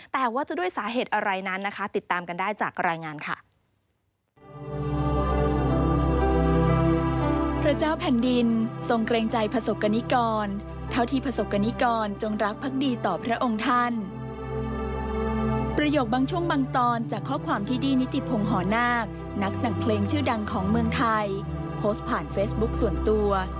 แต่ว่าจะด้วยสาเหตุอะไรนั้นนะคะติดตามกันได้จากรายงานค่ะ